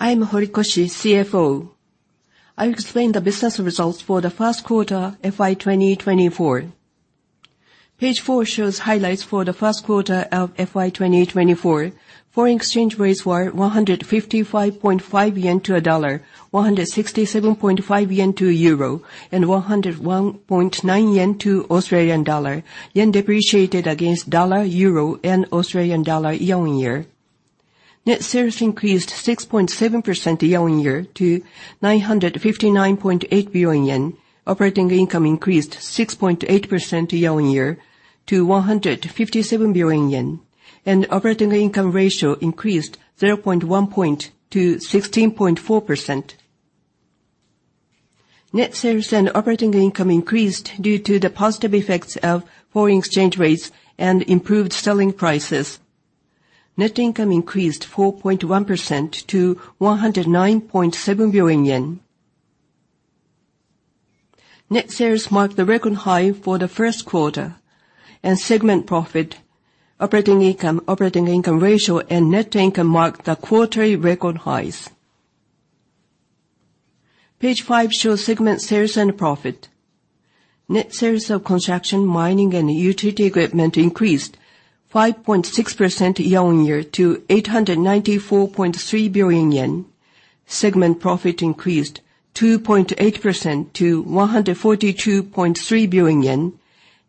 I'm Horikoshi, CFO. I'll explain the business results for the first quarter, FY 2024. Page 4 shows highlights for the first quarter of FY 2024. Foreign exchange rates were 155.5 yen to a dollar, 167.5 yen to euro, and 101.9 yen to Australian dollar. Yen depreciated against dollar, euro, and Australian dollar year-on-year. Net sales increased 6.7% year-on-year to 959.8 billion yen. Operating income increased 6.8% year-on-year to 157 billion yen, and operating income ratio increased 0.1 point to 16.4%. Net sales and operating income increased due to the positive effects of foreign exchange rates and improved selling prices. Net income increased 4.1% to JPY 109.7 billion. Net sales marked the record high for the first quarter, and segment profit, operating income, operating income ratio, and net income marked the quarterly record highs. Page 5 shows segment sales and profit. Net sales of construction, mining, and utility equipment increased 5.6% year-over-year to 894.3 billion yen. Segment profit increased 2.8% to 142.3 billion yen,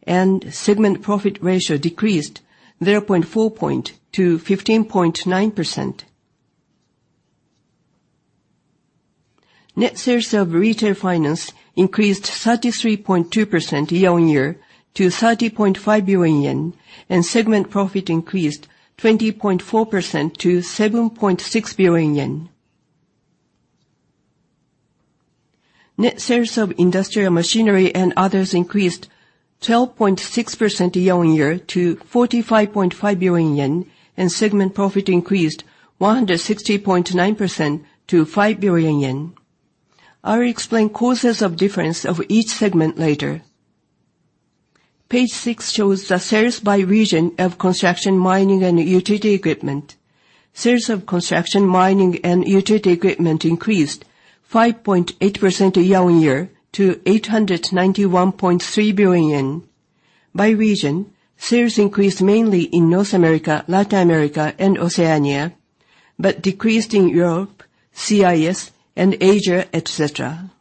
and segment profit ratio decreased 0.4 point to 15.9%. Net sales of retail finance increased 33.2% year-over-year to 30.5 billion yen, and segment profit increased 20.4% to 7.6 billion yen. Net sales of industrial machinery and others increased 12.6% year-on-year to 45.5 billion yen, and segment profit increased 160.9% to 5 billion yen. I'll explain causes of difference of each segment later. Page six shows the sales by region of construction, mining, and utility equipment. Sales of construction, mining, and utility equipment increased 5.8% year-on-year to 891.3 billion yen. By region, sales increased mainly in North America, Latin America, and Oceania, but decreased in Europe, CIS, and Asia, et cetera.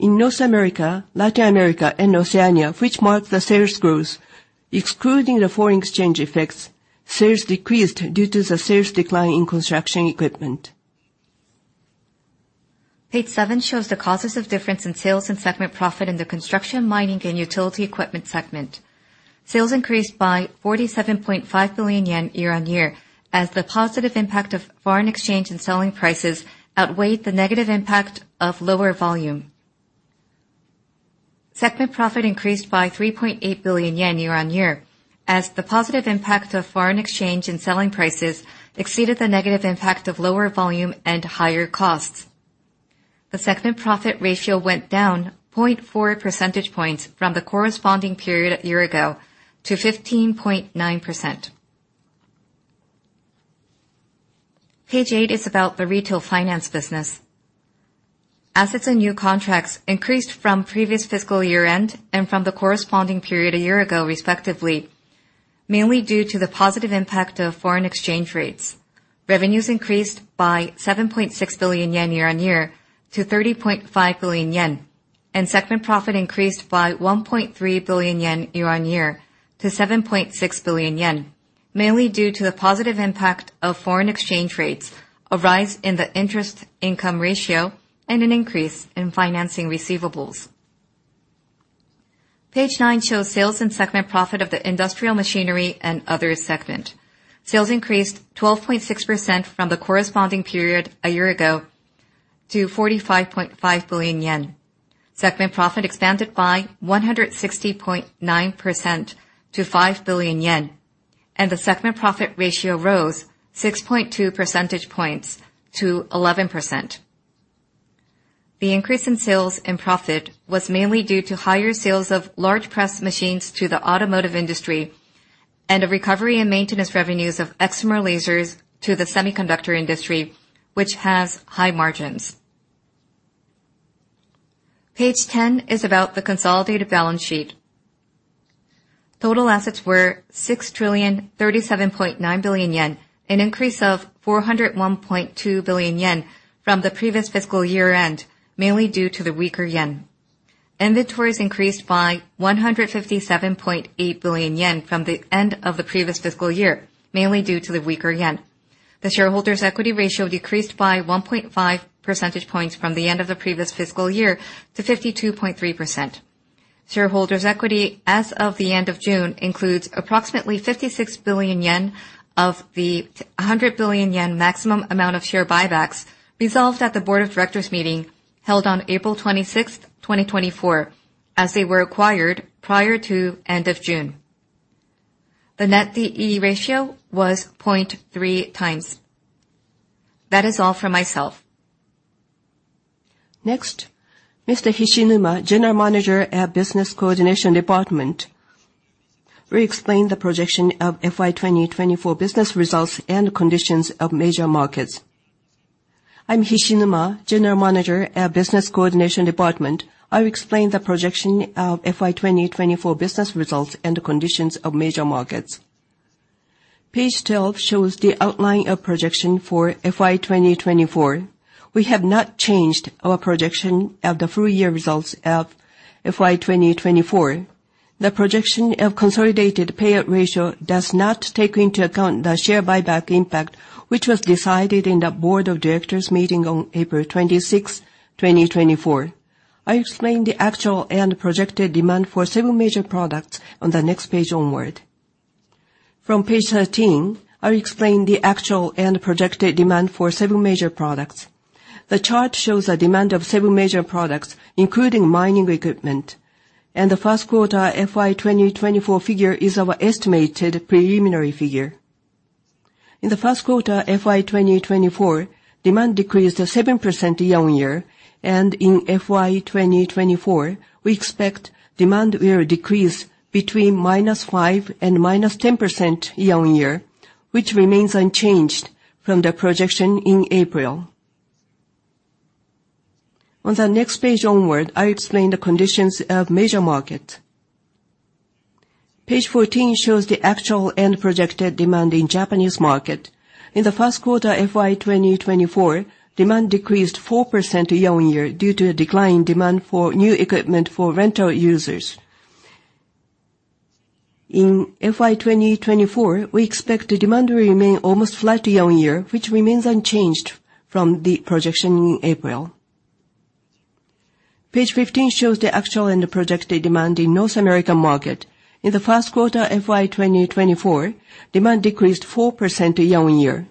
In North America, Latin America, and Oceania, which marked the sales growth, excluding the foreign exchange effects, sales decreased due to the sales decline in construction equipment. Page seven shows the causes of difference in sales and segment profit in the construction, mining, and utility equipment segment. Sales increased by 47.5 billion yen year-on-year, as the positive impact of foreign exchange and selling prices outweighed the negative impact of lower volume. Segment profit increased by 3.8 billion yen year-on-year, as the positive impact of foreign exchange and selling prices exceeded the negative impact of lower volume and higher costs. The segment profit ratio went down 0.4 percentage points from the corresponding period a year ago to 15.9%. Page eight is about the retail finance business. Assets and new contracts increased from previous fiscal year-end and from the corresponding period a year ago, respectively, mainly due to the positive impact of foreign exchange rates. Revenues increased by 7.6 billion yen year-on-year to 30.5 billion yen, and segment profit increased by 1.3 billion yen year-on-year to 7.6 billion yen, mainly due to the positive impact of foreign exchange rates, a rise in the interest income ratio, and an increase in financing receivables. Page nine shows sales and segment profit of the industrial machinery and other segment. Sales increased 12.6% from the corresponding period a year ago to 45.5 billion yen. Segment profit expanded by 160.9% to 5 billion yen, and the segment profit ratio rose 6.2 percentage points to 11%. The increase in sales and profit was mainly due to higher sales of large press machines to the automotive industry and a recovery in maintenance revenues of excimer lasers to the semiconductor industry, which has high margins. Page 10 is about the consolidated balance sheet. Total assets were 6,037.9 billion yen, an increase of 401.2 billion yen from the previous fiscal year-end, mainly due to the weaker yen. Inventories increased by 157.8 billion yen from the end of the previous fiscal year, mainly due to the weaker yen. The shareholders' equity ratio decreased by 1.5 percentage points from the end of the previous fiscal year to 52.3%. Shareholders' equity as of the end of June includes approximately 56 billion yen of the 100 billion yen maximum amount of share buybacks resolved at the Board of Directors meeting held on April 26th, 2024, as they were acquired prior to end of June. The net DE ratio was 0.3 times. That is all for myself. Next, Mr. Hishinuma, General Manager of Business Coordination Department, will explain the projection of FY 2024 business results and conditions of major markets. I'm Hishinuma, General Manager at Business Coordination Department. I'll explain the projection of FY 2024 business results and the conditions of major markets. Page 12 shows the outline of projection for FY 2024. We have not changed our projection of the full year results of FY 2024. The projection of consolidated payout ratio does not take into account the share buyback impact, which was decided in the Board of Directors meeting on April 26th, 2024. I explain the actual and projected demand for several major products on the next page onward. From page 13, I'll explain the actual and projected demand for several major products. The chart shows a demand of several major products, including mining equipment, and the first quarter FY 2024 figure is our estimated preliminary figure. In the first quarter, FY 2024, demand decreased 7% year-on-year, and in FY 2024, we expect demand will decrease between -5% and -10% year-on-year, which remains unchanged from the projection in April. On the next page onward, I explain the conditions of major market. Page 14 shows the actual and projected demand in Japanese market. In the first quarter, FY 2024, demand decreased 4% year-on-year due to a decline in demand for new equipment for rental users. In FY 2024, we expect the demand will remain almost flat year-on-year, which remains unchanged from the projection in April. Page 15 shows the actual and projected demand in North American market. In the first quarter, FY 2024, demand decreased 4% year-on-year.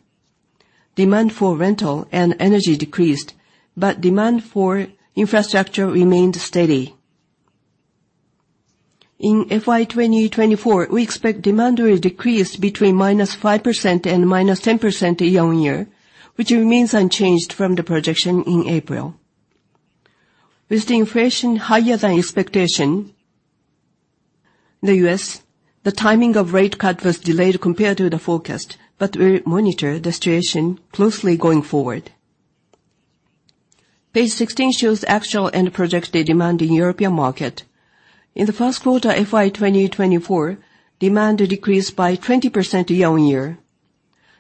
Demand for rental and energy decreased, but demand for infrastructure remained steady. In FY 2024, we expect demand will decrease between -5% and -10% year-on-year, which remains unchanged from the projection in April. With the inflation higher than expectation, the U.S., the timing of rate cut was delayed compared to the forecast, but we'll monitor the situation closely going forward. Page 16 shows actual and projected demand in European market. In the first quarter, FY 2024, demand decreased by 20% year-on-year.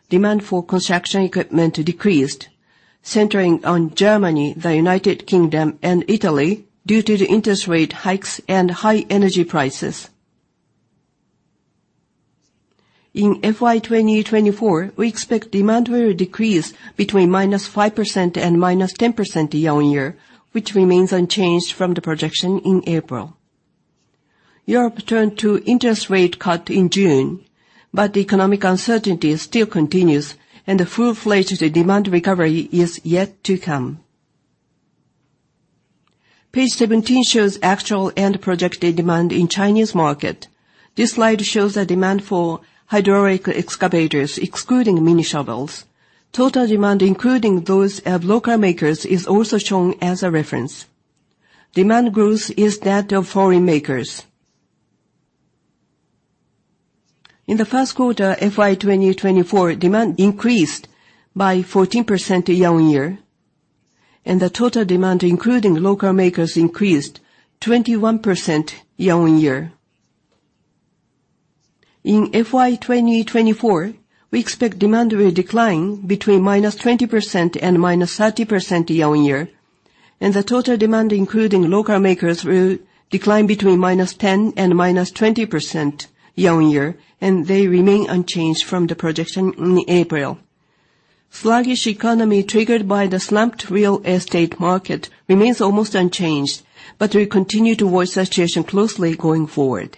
Demand for construction equipment decreased, centering on Germany, the United Kingdom, and Italy, due to the interest rate hikes and high energy prices. In FY 2024, we expect demand will decrease between -5% and -10% year-on-year, which remains unchanged from the projection in April. Europe turned to interest rate cut in June, but the economic uncertainty still continues, and the full-fledged demand recovery is yet to come. Page 17 shows actual and projected demand in Chinese market. This slide shows the demand for hydraulic excavators, excluding mini shovels. Total demand, including those of local makers, is also shown as a reference. Demand growth is that of foreign makers. In the first quarter, FY 2024, demand increased by 14% year-on-year, and the total demand, including local makers, increased 21% year-on-year. In FY 2024, we expect demand will decline between -20% and -30% year-on-year, and the total demand, including local makers, will decline between -10% and -20% year-on-year, and they remain unchanged from the projection in April. Sluggish economy, triggered by the slumped real estate market, remains almost unchanged, but we continue to watch the situation closely going forward.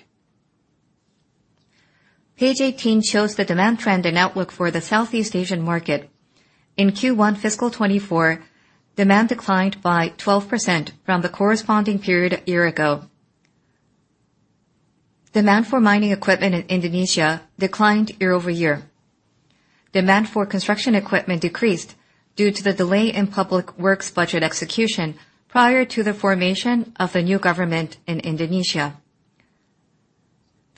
Page 18 shows the demand trend and outlook for the Southeast Asian market. In Q1 fiscal 2024, demand declined by 12% from the corresponding period a year ago. Demand for mining equipment in Indonesia declined year-over-year. Demand for construction equipment decreased due to the delay in public works budget execution prior to the formation of the new government in Indonesia.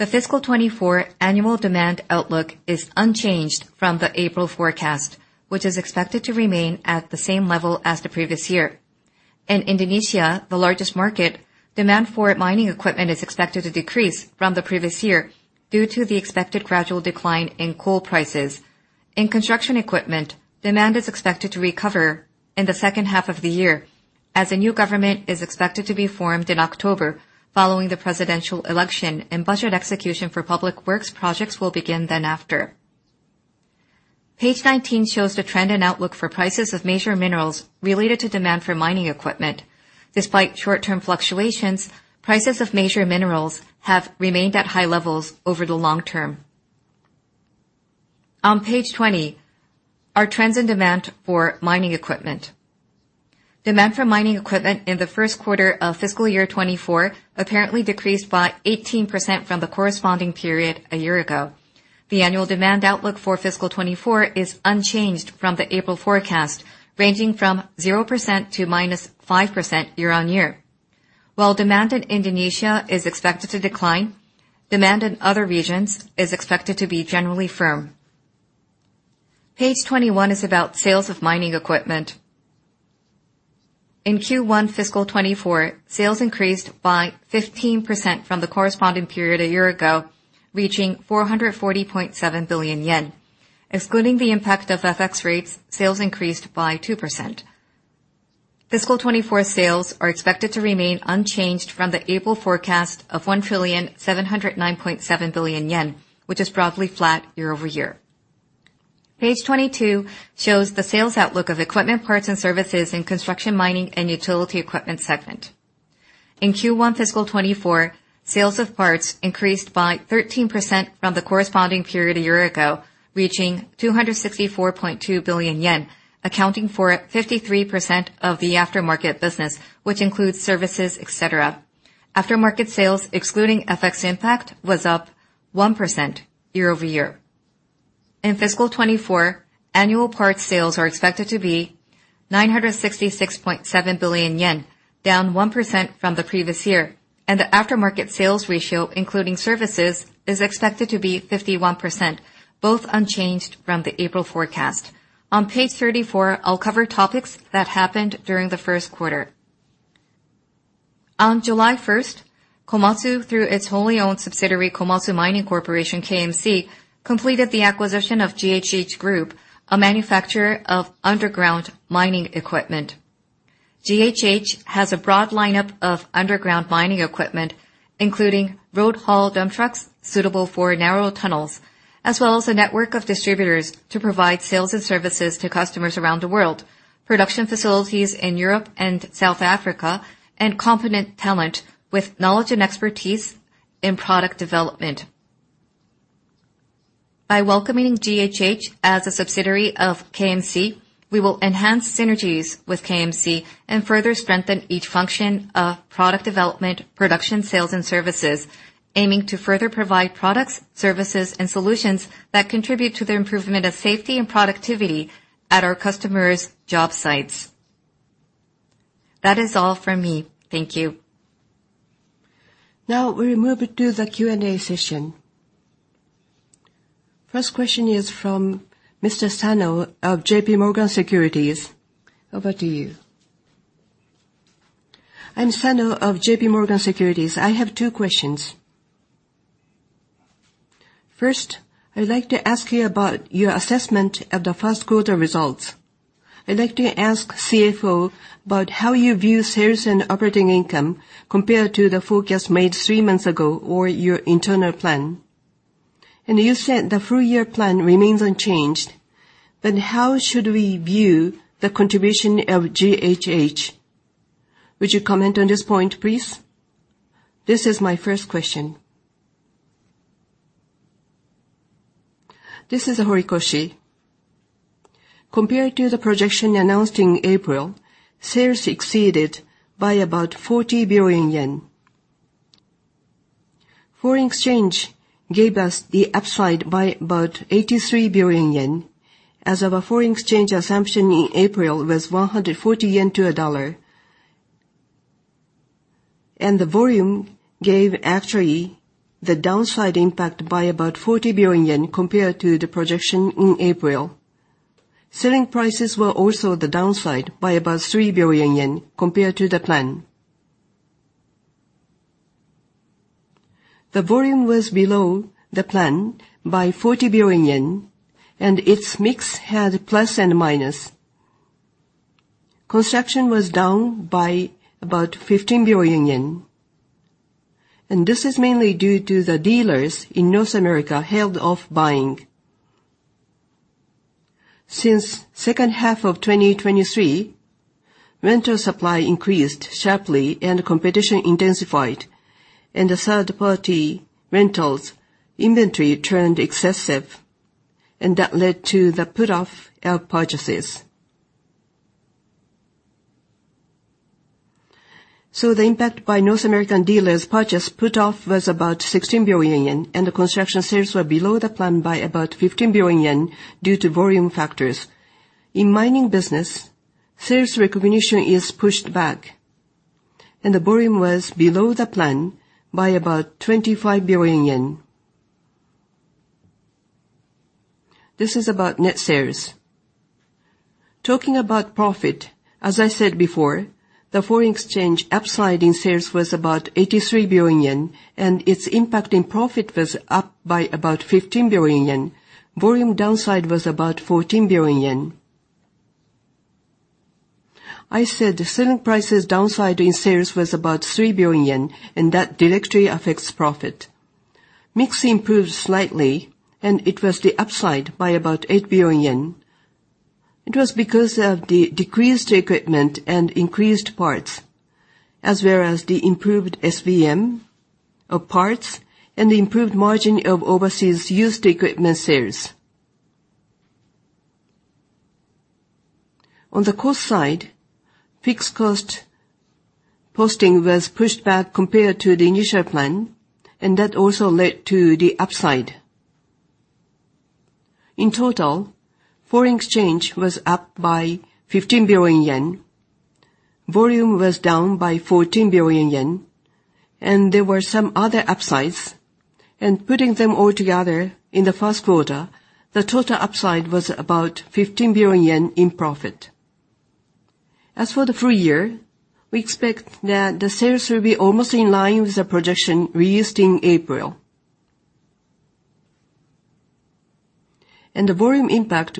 The fiscal 2024 annual demand outlook is unchanged from the April forecast, which is expected to remain at the same level as the previous year. In Indonesia, the largest market, demand for mining equipment is expected to decrease from the previous year due to the expected gradual decline in coal prices. In construction equipment, demand is expected to recover in the second half of the year, as a new government is expected to be formed in October, following the presidential election, and budget execution for public works projects will begin then after. Page 19 shows the trend and outlook for prices of major minerals related to demand for mining equipment. Despite short-term fluctuations, prices of major minerals have remained at high levels over the long term. On page 20, are trends in demand for mining equipment. Demand for mining equipment in the first quarter of fiscal year 2024 apparently decreased by 18% from the corresponding period a year ago. The annual demand outlook for fiscal 2024 is unchanged from the April forecast, ranging from 0% to -5% year-on-year. While demand in Indonesia is expected to decline, demand in other regions is expected to be generally firm. Page 21 is about sales of mining equipment. In Q1 fiscal 2024, sales increased by 15% from the corresponding period a year ago, reaching 440.7 billion yen. Excluding the impact of FX rates, sales increased by 2%. Fiscal 2024 sales are expected to remain unchanged from the April forecast of 1,709.7 billion yen, which is broadly flat year-over-year. Page 22 shows the sales outlook of equipment, parts, and services in construction, mining, and utility equipment segment. In Q1 fiscal 2024, sales of parts increased by 13% from the corresponding period a year ago, reaching 264.2 billion yen, accounting for 53% of the aftermarket business, which includes services, et cetera. Aftermarket sales, excluding FX impact, was up 1% year-over-year. In fiscal 2024, annual parts sales are expected to be 966.7 billion yen, down 1% from the previous year, and the aftermarket sales ratio, including services, is expected to be 51%, both unchanged from the April forecast. On page 34, I'll cover topics that happened during the first quarter. On July 1st, Komatsu, through its wholly owned subsidiary, Komatsu Mining Corp., KMC, completed the acquisition of GHH Group, a manufacturer of underground mining equipment. GHH has a broad lineup of underground mining equipment, including load haul dump trucks suitable for narrow tunnels, as well as a network of distributors to provide sales and services to customers around the world, production facilities in Europe and South Africa, and competent talent with knowledge and expertise in product development. By welcoming GHH as a subsidiary of KMC, we will enhance synergies with KMC and further strengthen each function of product development, production, sales, and services, aiming to further provide products, services, and solutions that contribute to the improvement of safety and productivity at our customers' job sites. That is all from me. Thank you. Now we move to the Q&A session. First question is from Mr. Sano of JPMorgan Securities. Over to you. I'm Sano of JPMorgan Securities. I have two questions. First, I'd like to ask you about your assessment of the first quarter results. I'd like to ask CFO about how you view sales and operating income compared to the forecast made three months ago or your internal plan. You said the full year plan remains unchanged, then how should we view the contribution of GHH? Would you comment on this point, please? This is my first question. This is Horikoshi. Compared to the projection announced in April, sales exceeded by about 40 billion yen. Foreign exchange gave us the upside by about 83 billion yen, as our foreign exchange assumption in April was 140 yen to a dollar. The volume gave actually the downside impact by about 40 billion compared to the projection in April. Selling prices were also the downside by about 3 billion yen compared to the plan. The volume was below the plan by 40 billion yen, and its mix had plus and minus. Construction was down by about 15 billion yen, and this is mainly due to the dealers in North America held off buying. Since second half of 2023, rental supply increased sharply and competition intensified, and the third-party rentals inventory turned excessive, and that led to the put-off of purchases. The impact by North American dealers purchase put-off was about 16 billion yen, and the construction sales were below the plan by about 15 billion yen due to volume factors. In mining business, sales recognition is pushed back, and the volume was below the plan by about 25 billion yen. This is about net sales. Talking about profit, as I said before, the foreign exchange upside in sales was about 83 billion yen, and its impact in profit was up by about 15 billion yen. Volume downside was about 14 billion yen. I said the selling prices downside in sales was about 3 billion yen, and that directly affects profit. Mix improved slightly, and it was the upside by about 8 billion yen. It was because of the decreased equipment and increased parts, as well as the improved SVM of parts and the improved margin of overseas used equipment sales. On the cost side, fixed cost posting was pushed back compared to the initial plan, and that also led to the upside. In total, foreign exchange was up by 15 billion yen, volume was down by 14 billion yen, and there were some other upsides. Putting them all together, in the first quarter, the total upside was about 15 billion yen in profit. As for the full year, we expect that the sales will be almost in line with the projection we used in April. The volume impact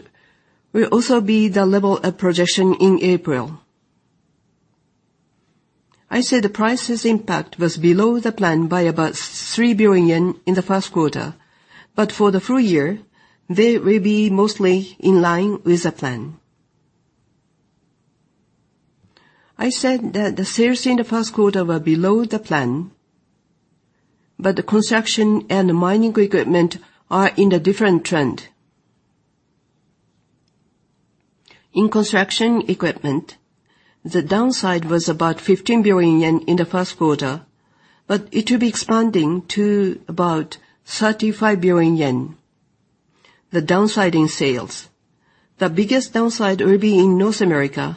will also be the level of projection in April. I say the prices impact was below the plan by about 3 billion yen in the first quarter, but for the full year, they will be mostly in line with the plan. I said that the sales in the first quarter were below the plan, but the construction and mining equipment are in a different trend. In construction equipment, the downside was about 15 billion yen in the first quarter, but it will be expanding to about 35 billion yen. The downsizing sales, the biggest downside will be in North America.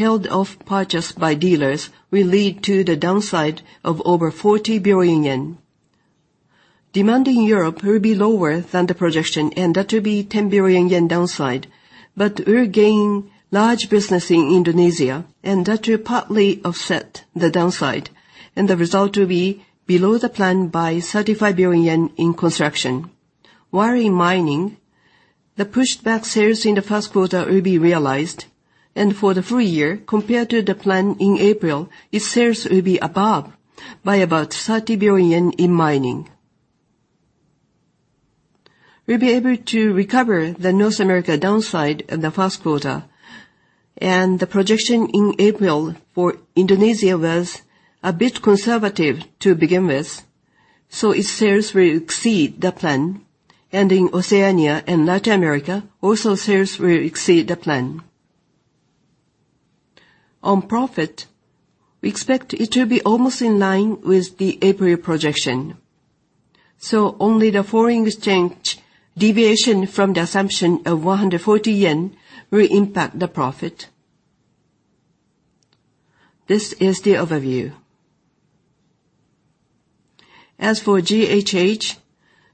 Held-off purchase by dealers will lead to the downside of over 40 billion yen. Demand in Europe will be lower than the projection, and that will be 10 billion yen downside, but will gain large business in Indonesia, and that will partly offset the downside, and the result will be below the plan by 35 billion yen in construction. While in mining, the pushed back sales in the first quarter will be realized, and for the full year, compared to the plan in April, its sales will be above by about 30 billion yen in mining. We'll be able to recover the North America downside in the first quarter, and the projection in April for Indonesia was a bit conservative to begin with, so its sales will exceed the plan. In Oceania and Latin America, also, sales will exceed the plan. On profit, we expect it to be almost in line with the April projection, so only the foreign exchange deviation from the assumption of 140 yen will impact the profit. This is the overview. As for GHH,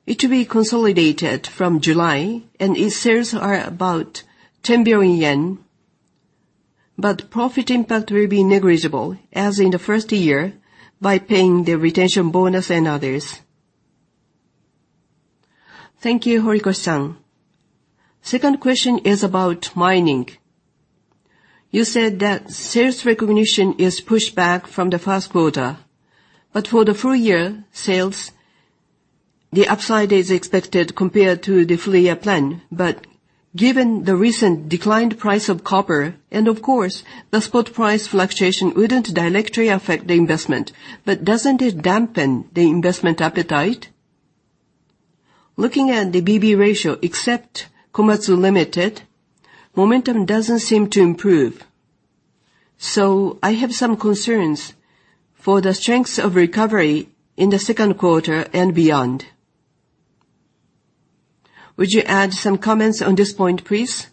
it will be consolidated from July, and its sales are about 10 billion yen. Profit impact will be negligible, as in the first year, by paying the retention bonus and others. Thank you, Horikoshi-san. Second question is about mining. You said that sales recognition is pushed back from the first quarter, but for the full year sales, the upside is expected compared to the full year plan. But given the recent declined price of copper, and of course, the spot price fluctuation wouldn't directly affect the investment, but doesn't it dampen the investment appetite? Looking at the BB ratio, except Komatsu Ltd., momentum doesn't seem to improve. So I have some concerns for the strengths of recovery in the second quarter and beyond. Would you add some comments on this point, please?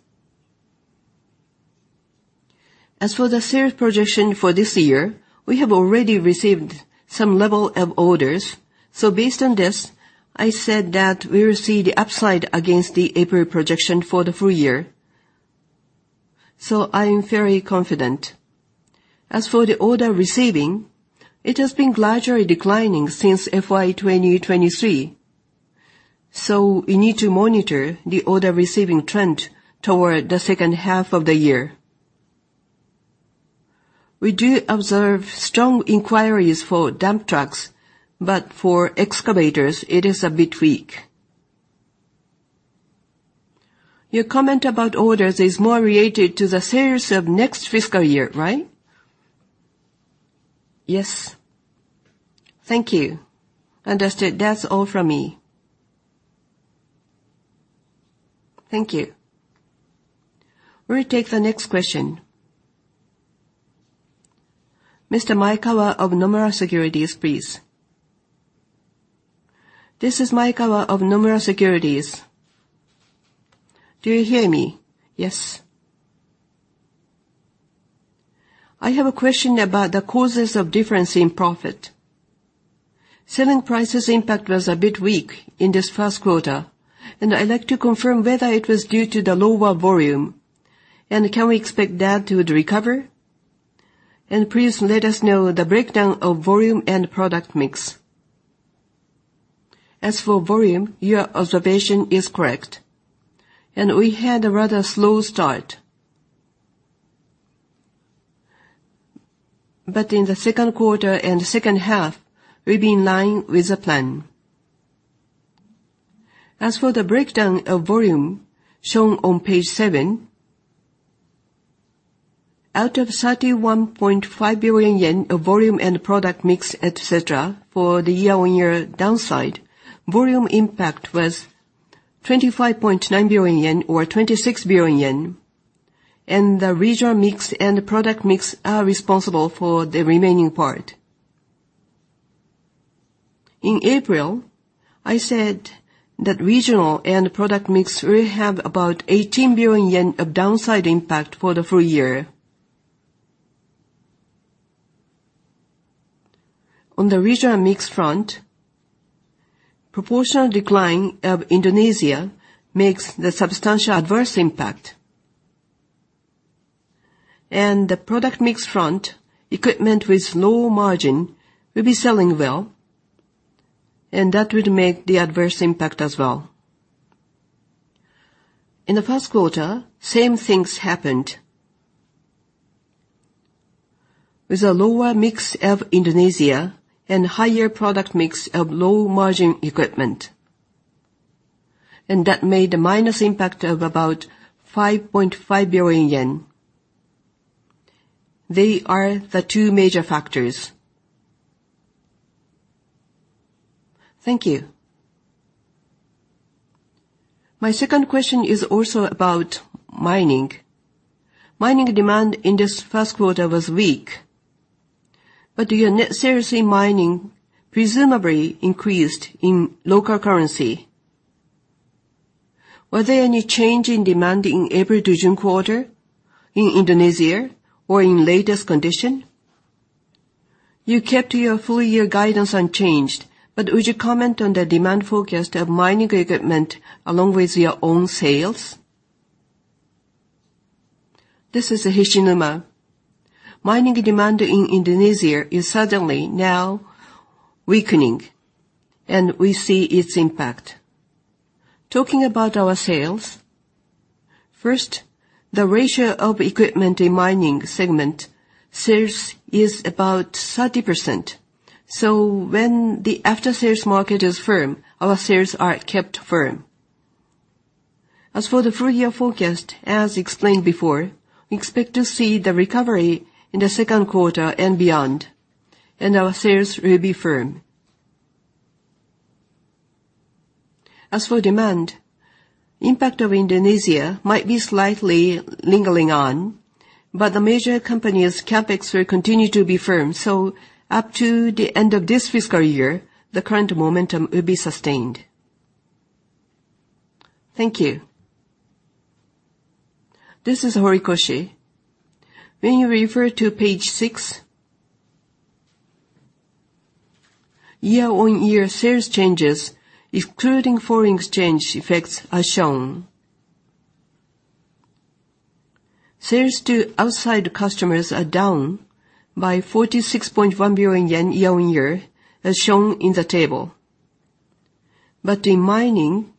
As for the sales projection for this year, we have already received some level of orders. So based on this, I said that we will see the upside against the April projection for the full year, so I am very confident. As for the order receiving, it has been gradually declining since FY 2023, so we need to monitor the order receiving trend toward the second half of the year. We do observe strong inquiries for dump trucks, but for excavators, it is a bit weak. Your comment about orders is more related to the sales of next fiscal year, right? Yes. Thank you. Understood. That's all from me. Thank you. We'll take the next question. Mr. Maekawa of Nomura Securities, please. This is Maekawa of Nomura Securities. Do you hear me? Yes. I have a question about the causes of difference in profit. Selling prices impact was a bit weak in this first quarter, and I'd like to confirm whether it was due to the lower volume, and can we expect that to recover? And please let us know the breakdown of volume and product mix. As for volume, your observation is correct, and we had a rather slow start. But in the second quarter and second half, we've been in line with the plan. As for the breakdown of volume shown on page seven, out of 31.5 billion yen of volume and product mix, et cetera, for the year-on-year downside, volume impact was 25.9 billion yen, or 26 billion yen, and the regional mix and product mix are responsible for the remaining part. In April, I said that regional and product mix will have about 18 billion yen of downside impact for the full year. On the regional mix front, proportional decline of Indonesia makes the substantial adverse impact. And the product mix front, equipment with low margin will be selling well, and that would make the adverse impact as well. In the first quarter, same things happened. With a lower mix of Indonesia and higher product mix of low-margin equipment, and that made a minus impact of about 5.5 billion yen. They are the two major factors. Thank you. My second question is also about mining. Mining demand in this first quarter was weak, but your net sales in mining presumably increased in local currency. Were there any change in demand in April to June quarter, in Indonesia or in latest condition? You kept your full year guidance unchanged, but would you comment on the demand forecast of mining equipment along with your own sales? This is Hishinuma. Mining demand in Indonesia is suddenly now weakening, and we see its impact. Talking about our sales, first, the ratio of equipment in mining segment sales is about 30%. So when the after-sales market is firm, our sales are kept firm. As for the full year forecast, as explained before, we expect to see the recovery in the second quarter and beyond, and our sales will be firm. As for demand, impact of Indonesia might be slightly lingering on, but the major company's CapEx will continue to be firm, so up to the end of this fiscal year, the current momentum will be sustained. Thank you. This is Horikoshi. When you refer to page six, year-over-year sales changes, excluding foreign exchange effects, are shown. Sales to outside customers are down by 46.1 billion yen year-over-year, as shown in the table. But in mining,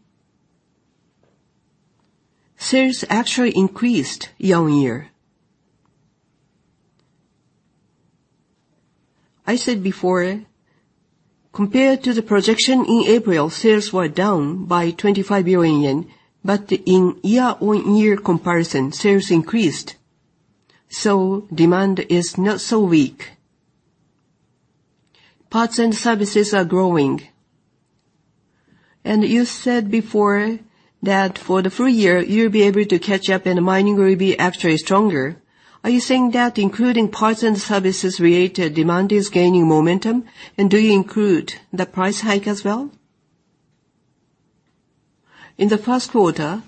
sales actually increased year-over-year. I said before, compared to the projection in April, sales were down by 25 billion yen, but in year-over-year comparison, sales increased, so demand is not so weak. Parts and services are growing. You said before that for the full year, you'll be able to catch up and mining will be actually stronger. Are you saying that including parts and services related, demand is gaining momentum, and do you include the price hike as well? In the first quarter,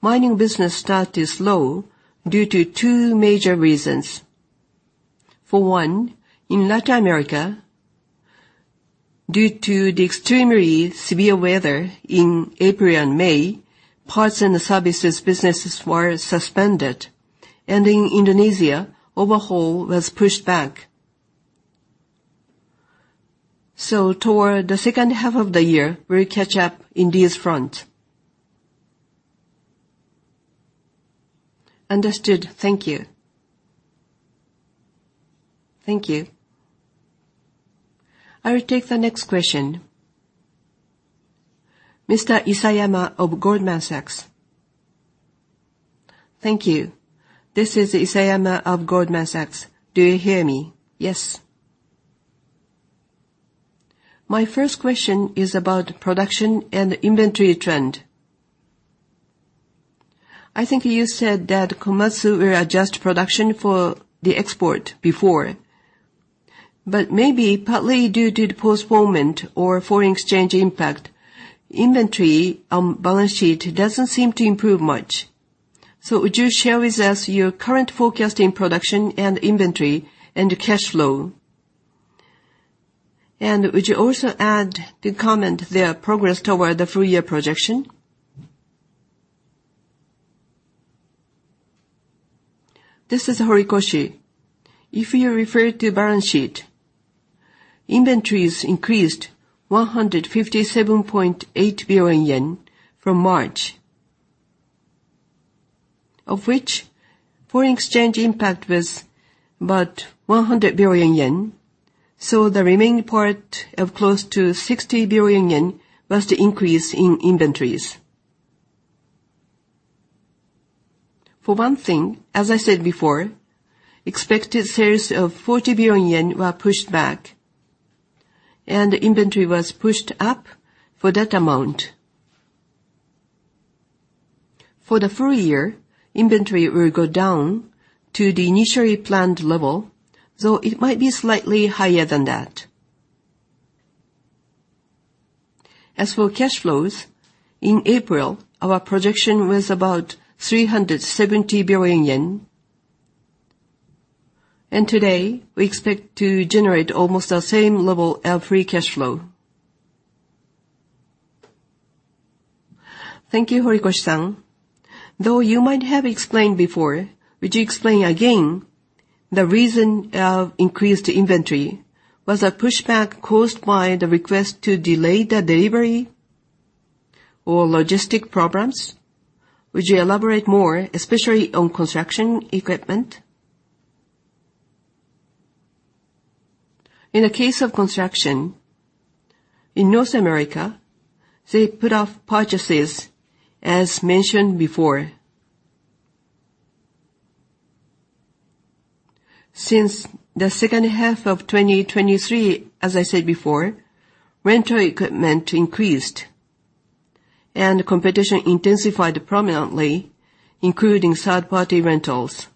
mining business start is low due to two major reasons. For one, in Latin America, due to the extremely severe weather in April and May, parts and services businesses were suspended, and in Indonesia, overhaul was pushed back. So toward the second half of the year, we'll catch up in these fronts. Understood. Thank you. Thank you. I will take the next question. Mr. Isayama of Goldman Sachs. Thank you. This is Isayama of Goldman Sachs. Do you hear me? Yes. My first question is about production and inventory trend. I think you said that Komatsu will adjust production for the export before, but maybe partly due to the postponement or foreign exchange impact, inventory on balance sheet doesn't seem to improve much. So would you share with us your current forecast in production and inventory and cash flow? And would you also add the comment, the progress toward the full year projection? This is Horikoshi. If you refer to balance sheet, inventories increased 157.8 billion yen from March, of which foreign exchange impact was about 100 billion yen. So the remaining part of close to 60 billion yen was the increase in inventories. For one thing, as I said before, expected sales of 40 billion yen were pushed back, and inventory was pushed up for that amount. For the full year, inventory will go down to the initially planned level, though it might be slightly higher than that. As for cash flows, in April, our projection was about 370 billion yen, and today, we expect to generate almost the same level of free cash flow. Thank you, Horikoshi-san. Though you might have explained before, would you explain again the reason of increased inventory? Was a pushback caused by the request to delay the delivery or logistics problems? Would you elaborate more, especially on construction equipment? In the case of construction, in North America, they put off purchases, as mentioned before. Since the second half of 2023, as I said before, rental equipment increased, and competition intensified prominently, including third-party rentals.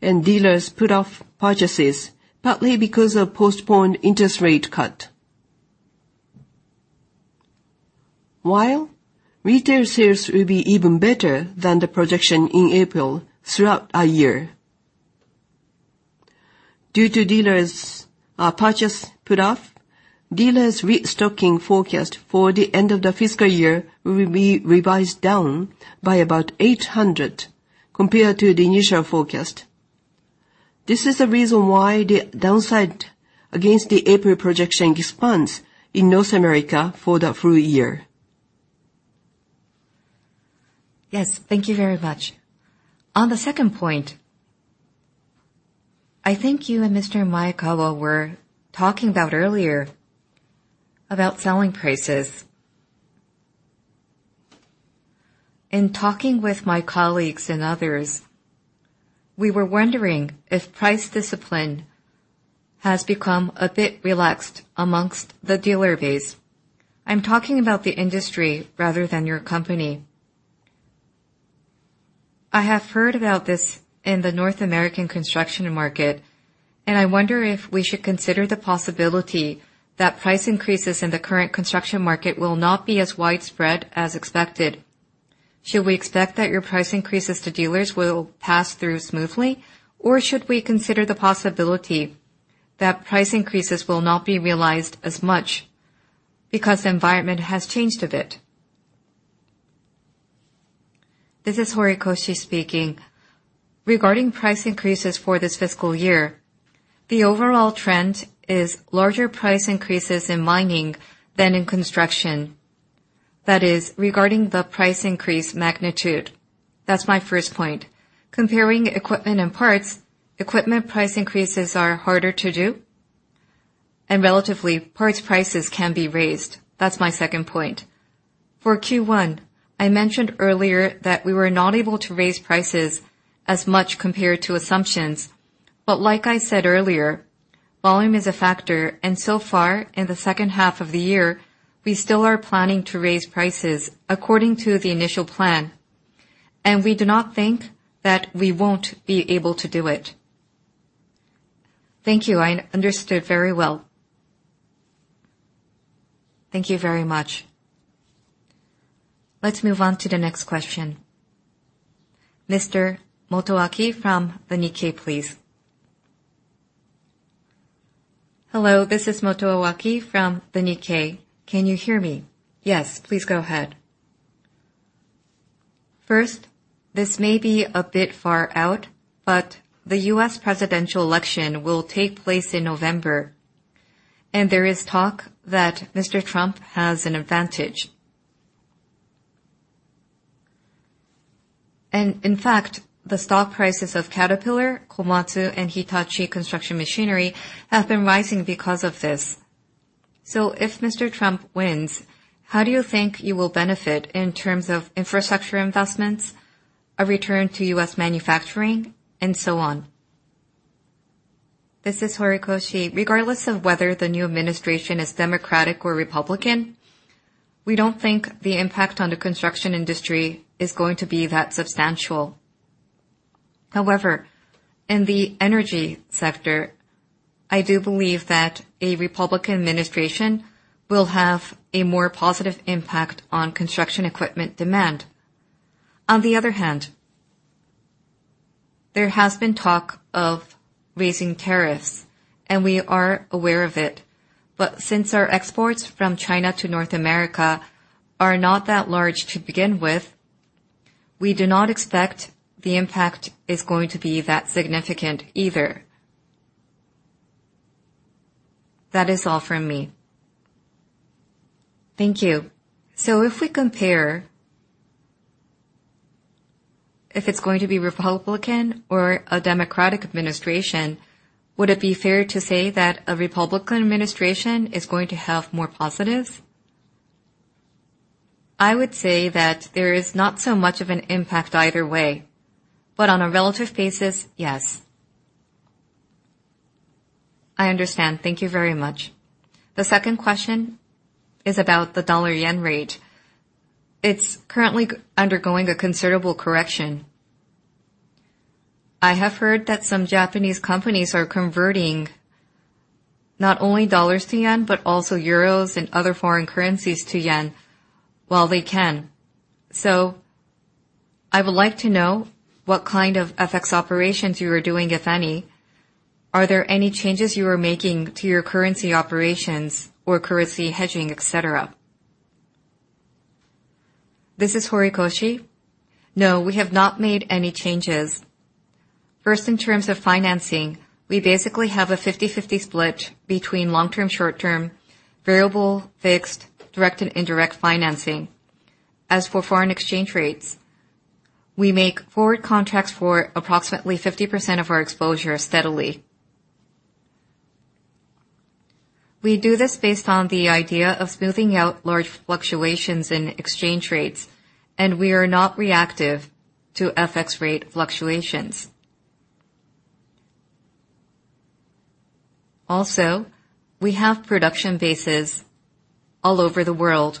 Dealers put off purchases, partly because of postponed interest rate cut. While retail sales will be even better than the projection in April throughout our year. Due to dealers, purchase put off, dealers' restocking forecast for the end of the fiscal year will be revised down by about 800 compared to the initial forecast. This is the reason why the downside against the April projection expands in North America for the full year. Yes, thank you very much. On the second point, I think you and Mr. Maekawa were talking about earlier about selling prices. In talking with my colleagues and others, we were wondering if price discipline has become a bit relaxed among the dealer base. I'm talking about the industry rather than your company. I have heard about this in the North American construction market, and I wonder if we should consider the possibility that price increases in the current construction market will not be as widespread as expected. Should we expect that your price increases to dealers will pass through smoothly, or should we consider the possibility that price increases will not be realized as much because the environment has changed a bit? This is Horikoshi speaking. Regarding price increases for this fiscal year, the overall trend is larger price increases in mining than in construction. That is regarding the price increase magnitude. That's my first point. Comparing equipment and parts, equipment price increases are harder to do, and relatively, parts prices can be raised. That's my second point. For Q1, I mentioned earlier that we were not able to raise prices as much compared to assumptions, but like I said earlier, volume is a factor, and so far, in the second half of the year, we still are planning to raise prices according to the initial plan, and we do not think that we won't be able to do it. Thank you. I understood very well. Thank you very much. Let's move on to the next question. Mr. Motoaki from the Nikkei, please. Hello, this is Motoaki from the Nikkei. Can you hear me? Yes, please go ahead. First, this may be a bit far out, but the U.S. presidential election will take place in November, and there is talk that Mr. Trump has an advantage. And in fact, the stock prices of Caterpillar, Komatsu, and Hitachi Construction Machinery have been rising because of this. So if Mr. Trump wins, how do you think you will benefit in terms of infrastructure investments, a return to U.S. manufacturing, and so on? This is Horikoshi. Regardless of whether the new administration is Democratic or Republican, we don't think the impact on the construction industry is going to be that substantial. However, in the energy sector, I do believe that a Republican administration will have a more positive impact on construction equipment demand. On the other hand, there has been talk of raising tariffs, and we are aware of it, but since our exports from China to North America are not that large to begin with, we do not expect the impact is going to be that significant either. That is all from me. Thank you. So if we compare, if it's going to be Republican or a Democratic administration, would it be fair to say that a Republican administration is going to have more positives? I would say that there is not so much of an impact either way, but on a relative basis, yes. I understand. Thank you very much. The second question is about the dollar-yen rate. It's currently undergoing a considerable correction. I have heard that some Japanese companies are converting not only dollars to yen, but also euros and other foreign currencies to yen while they can. So I would like to know what kind of FX operations you are doing, if any. Are there any changes you are making to your currency operations or currency hedging, et cetera? This is Horikoshi. No, we have not made any changes. First, in terms of financing, we basically have a 50/50 split between long-term, short-term, variable, fixed, direct, and indirect financing. As for foreign exchange rates, we make forward contracts for approximately 50% of our exposure steadily. We do this based on the idea of smoothing out large fluctuations in exchange rates, and we are not reactive to FX rate fluctuations. Also, we have production bases all over the world,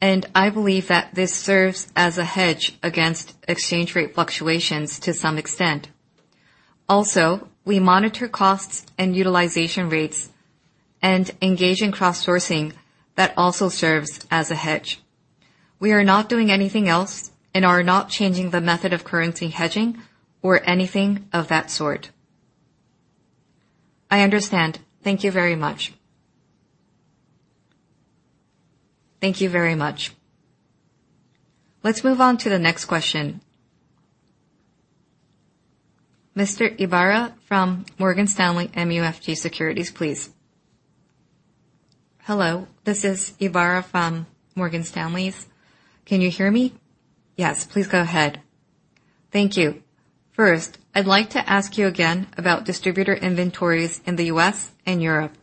and I believe that this serves as a hedge against exchange rate fluctuations to some extent. Also, we monitor costs and utilization rates and engage in cross-sourcing. That also serves as a hedge. We are not doing anything else and are not changing the method of currency hedging or anything of that sort. I understand. Thank you very much. Thank you very much. Let's move on to the next question. Mr. Ibara from Morgan Stanley MUFG Securities, please. Hello, this is Ibara from Morgan Stanley. Can you hear me? Yes, please go ahead. Thank you. First, I'd like to ask you again about distributor inventories in the U.S. and Europe.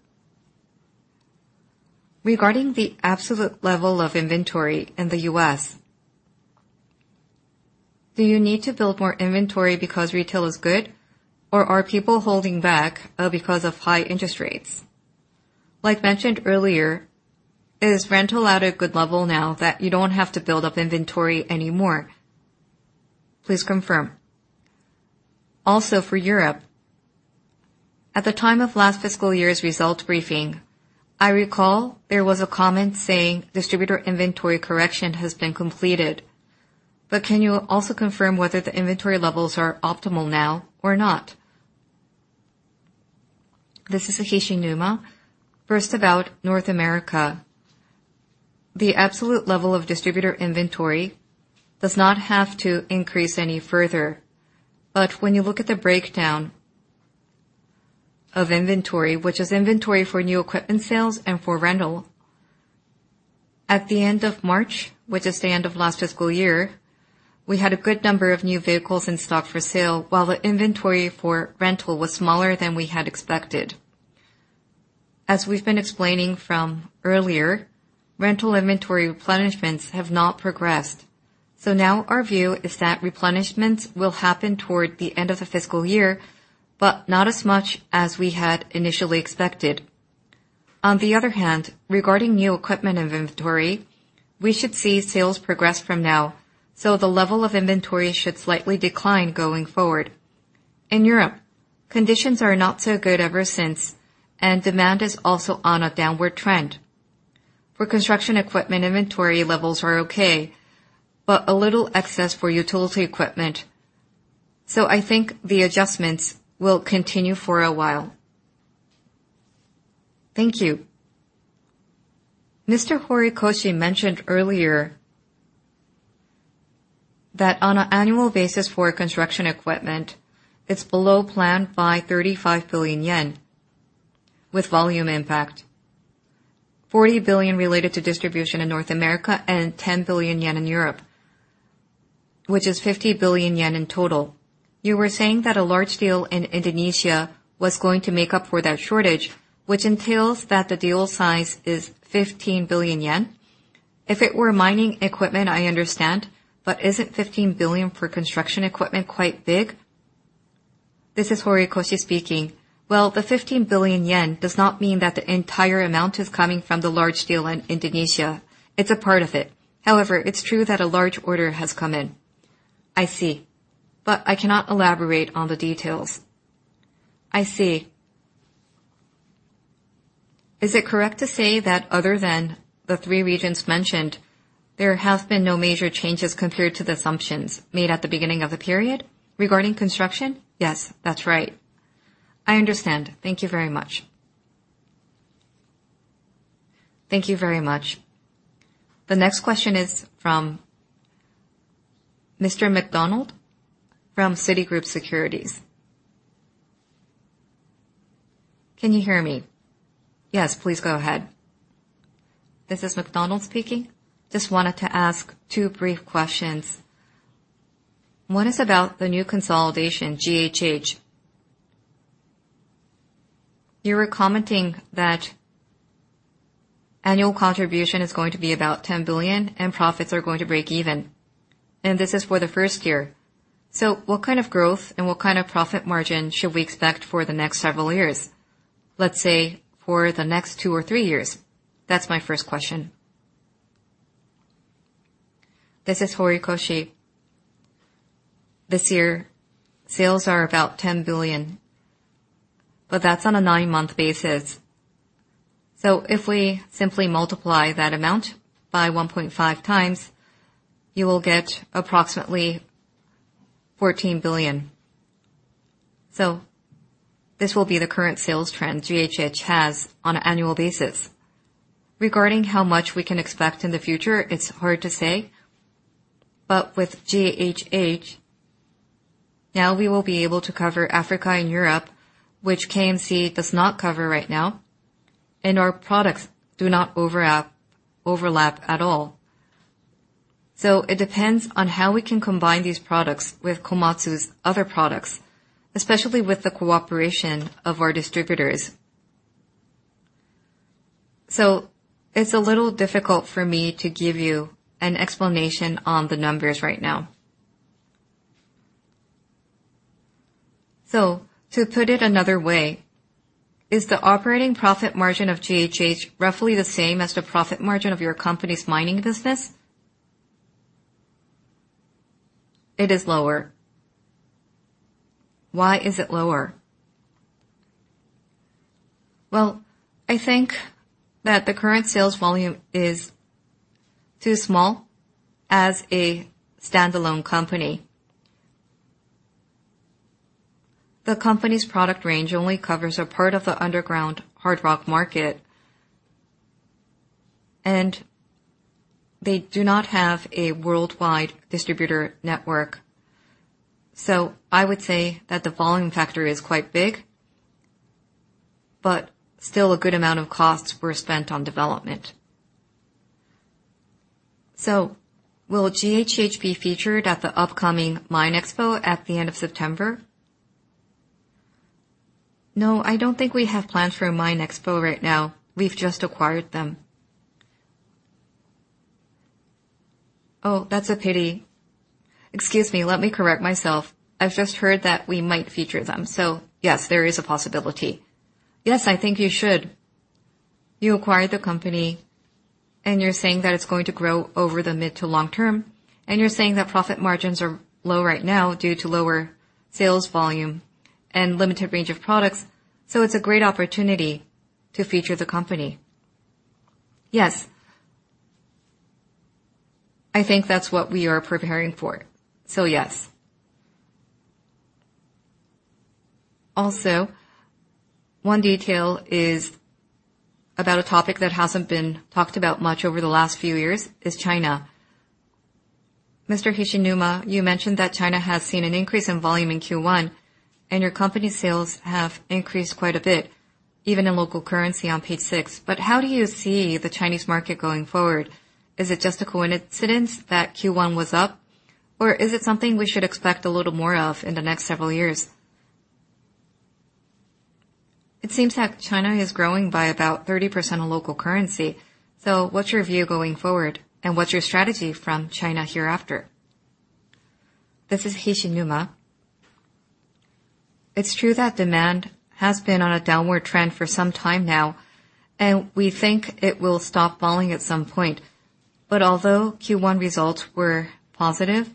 Regarding the absolute level of inventory in the U.S., do you need to build more inventory because retail is good, or are people holding back because of high interest rates? Like mentioned earlier, is rental at a good level now that you don't have to build up inventory anymore? Please confirm. Also, for Europe, at the time of last fiscal year's result briefing, I recall there was a comment saying distributor inventory correction has been completed, but can you also confirm whether the inventory levels are optimal now or not? This is Hishinuma. First, about North America. The absolute level of distributor inventory does not have to increase any further, but when you look at the breakdown of inventory, which is inventory for new equipment sales and for rental, at the end of March, which is the end of last fiscal year, we had a good number of new vehicles in stock for sale, while the inventory for rental was smaller than we had expected. As we've been explaining from earlier, rental inventory replenishments have not progressed, so now our view is that replenishments will happen toward the end of the fiscal year, but not as much as we had initially expected. On the other hand, regarding new equipment inventory, we should see sales progress from now, so the level of inventory should slightly decline going forward. In Europe, conditions are not so good ever since, and demand is also on a downward trend. For construction equipment, inventory levels are okay, but a little excess for utility equipment, so I think the adjustments will continue for a while. Thank you. Mr. Horikoshi mentioned earlier that on an annual basis for construction equipment, it's below plan by 35 billion yen, with volume impact. 40 billion related to distribution in North America and 10 billion yen in Europe, which is 50 billion yen in total. You were saying that a large deal in Indonesia was going to make up for that shortage, which entails that the deal size is 15 billion yen. If it were mining equipment, I understand, but isn't 15 billion for construction equipment quite big? This is Horikoshi speaking. Well, the 15 billion yen does not mean that the entire amount is coming from the large deal in Indonesia. It's a part of it. However, it's true that a large order has come in. I see. But I cannot elaborate on the details. I see. Is it correct to say that other than the three regions mentioned, there have been no major changes compared to the assumptions made at the beginning of the period? Regarding construction? Yes, that's right. I understand. Thank you very much. Thank you very much. The next question is from Mr. McDonald from Citigroup Securities. Can you hear me? Yes, please go ahead. This is McDonald speaking. Just wanted to ask two brief questions. One is about the new consolidation, GHH. You were commenting that annual contribution is going to be about 10 billion, and profits are going to break even, and this is for the first year. So what kind of growth and what kind of profit margin should we expect for the next several years, let's say, for the next 2 or 3 years? That's my first question. This is Horikoshi. This year, sales are about 10 billion, but that's on a 9-month basis. So if we simply multiply that amount by 1.5x, you will get approximately 14 billion. So this will be the current sales trend GHH has on an annual basis. Regarding how much we can expect in the future, it's hard to say, but with GHH, now we will be able to cover Africa and Europe, which KMC does not cover right now, and our products do not overlap at all. So it depends on how we can combine these products with Komatsu's other products, especially with the cooperation of our distributors. So it's a little difficult for me to give you an explanation on the numbers right now. So to put it another way, is the operating profit margin of GHH roughly the same as the profit margin of your company's mining business? It is lower. Why is it lower? Well, I think that the current sales volume is too small as a standalone company. The company's product range only covers a part of the underground hard rock market, and they do not have a worldwide distributor network. So I would say that the volume factor is quite big, but still a good amount of costs were spent on development. So will GHH be featured at the upcoming MINExpo at the end of September? No, I don't think we have plans for a MINExpo right now. We've just acquired them. Oh, that's a pity. Excuse me, let me correct myself. I've just heard that we might feature them, so yes, there is a possibility. Yes, I think you should. You acquired the company, and you're saying that it's going to grow over the mid to long term, and you're saying that profit margins are low right now due to lower sales volume and limited range of products, so it's a great opportunity to feature the company. Yes. I think that's what we are preparing for, so yes. Also, one detail is about a topic that hasn't been talked about much over the last few years is China. Mr. Hishinuma, you mentioned that China has seen an increase in volume in Q1, and your company's sales have increased quite a bit, even in local currency on page six. But how do you see the Chinese market going forward? Is it just a coincidence that Q1 was up, or is it something we should expect a little more of in the next several years? It seems that China is growing by about 30% in local currency. So what's your view going forward, and what's your strategy from China hereafter? This is Hishinuma. It's true that demand has been on a downward trend for some time now, and we think it will stop falling at some point. But although Q1 results were positive,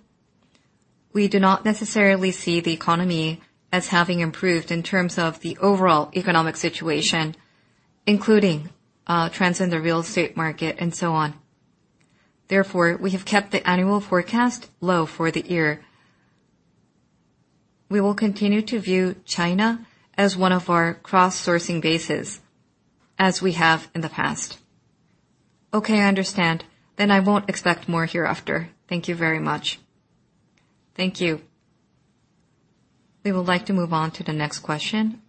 we do not necessarily see the economy as having improved in terms of the overall economic situation, including trends in the real estate market and so on. Therefore, we have kept the annual forecast low for the year. We will continue to view China as one of our cross-sourcing bases, as we have in the past. Okay, I understand. Then I won't expect more hereafter. Thank you very much. Thank you. We would like to move on to the next question.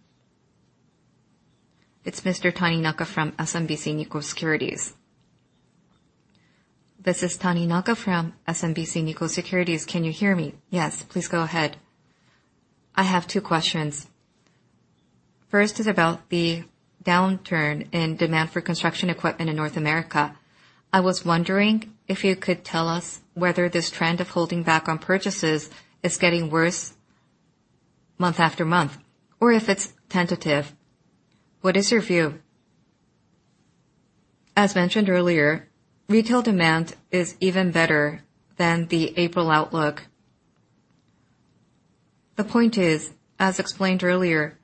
It's Mr. Taninaka from SMBC Nikko Securities. This is Taninaka from SMBC Nikko Securities. Can you hear me? Yes, please go ahead. I have two questions. First is about the downturn in demand for construction equipment in North America. I was wondering if you could tell us whether this trend of holding back on purchases is getting worse month after month, or if it's tentative. What is your view? As mentioned earlier, retail demand is even better than the April outlook. The point is, as explained earlier,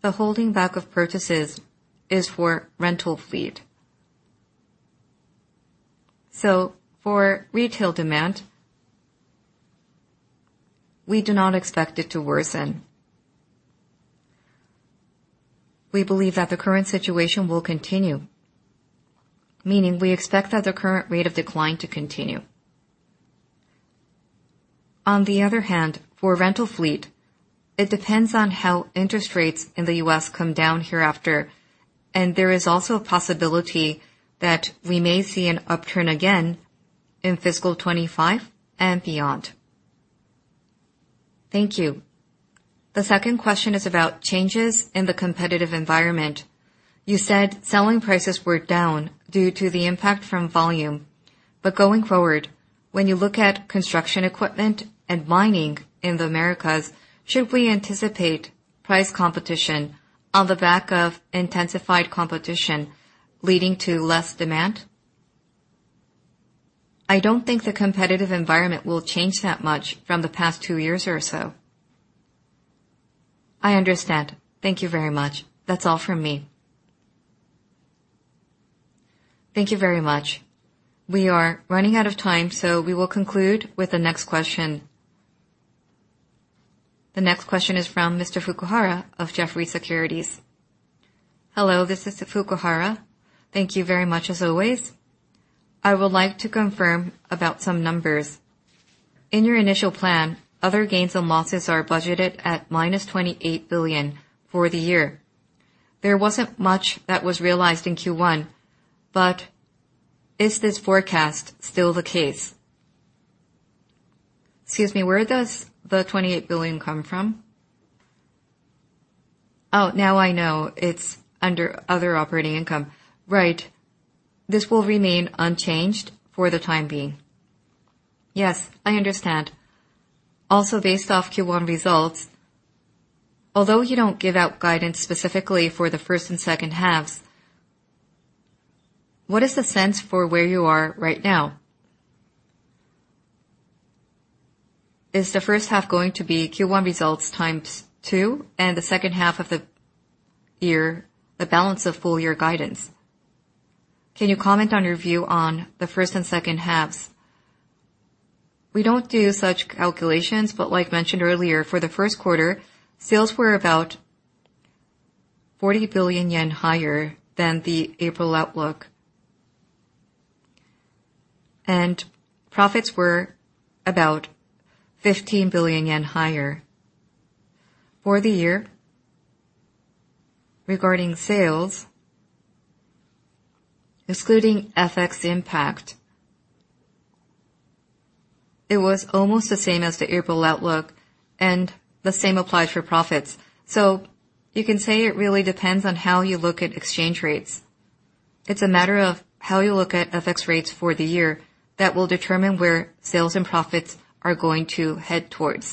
the holding back of purchases is for rental fleet. So for retail demand, we do not expect it to worsen. We believe that the current situation will continue, meaning we expect that the current rate of decline to continue. On the other hand, for rental fleet, it depends on how interest rates in the U.S. come down hereafter, and there is also a possibility that we may see an upturn again. In fiscal 2025 and beyond. Thank you. The second question is about changes in the competitive environment. You said selling prices were down due to the impact from volume. But going forward, when you look at construction equipment and mining in the Americas, should we anticipate price competition on the back of intensified competition, leading to less demand? I don't think the competitive environment will change that much from the past two years or so. I understand. Thank you very much. That's all from me. Thank you very much. We are running out of time, so we will conclude with the next question. The next question is from Mr. Fukuhara of Jefferies Securities. Hello, this is Fukuhara. Thank you very much, as always. I would like to confirm about some numbers. In your initial plan, other gains and losses are budgeted at -28 billion for the year. There wasn't much that was realized in Q1, but is this forecast still the case? Excuse me, where does the 28 billion come from? Oh, now I know. It's under other operating income. Right. This will remain unchanged for the time being. Yes, I understand. Also, based off Q1 results, although you don't give out guidance specifically for the first and second halves, what is the sense for where you are right now? Is the first half going to be Q1 results times two, and the second half of the year, the balance of full year guidance? Can you comment on your view on the first and second halves? We don't do such calculations, but like mentioned earlier, for the first quarter, sales were about 40 billion yen higher than the April outlook. Profits were about 15 billion yen higher. For the year, regarding sales, excluding FX impact, it was almost the same as the April outlook, and the same applied for profits. So you can say it really depends on how you look at exchange rates. It's a matter of how you look at FX rates for the year that will determine where sales and profits are going to head towards.